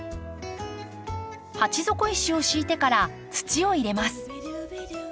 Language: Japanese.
鉢底石を敷いてから土を入れます。